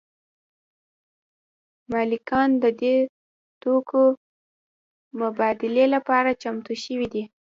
مالکان د دې توکو مبادلې لپاره چمتو شوي دي